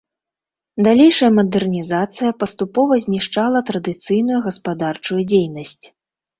Далейшая мадэрнізацыя паступова знішчала традыцыйную гаспадарчую дзейнасць.